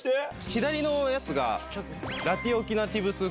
左のやつが。